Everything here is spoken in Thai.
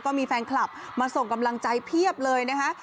ก็มีแฟนคลับมาส่งกำลังใจเพียบเลยนะคะ